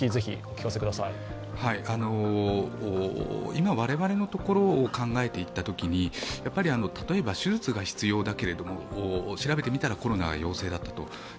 今、我々のところを考えていったときに例えば手術が必要だけれども、調べてみたらコロナが陽性だったと。